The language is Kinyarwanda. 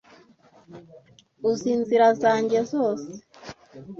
Uzi inzira zanjye zose